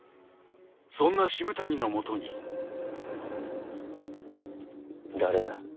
そんな渋谷のもとに誰だ？